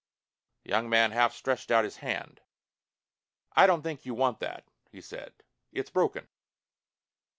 The young man half stretched out his hand. "I don't think you want that," he said. "It's broken."